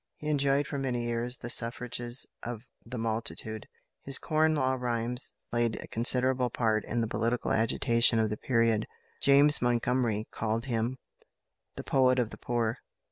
He enjoyed for many years the suffrages of the multitude. His "Corn Law Rhymes" played a considerable part in the political agitation of the period. James Montgomery called him "the poet of the poor."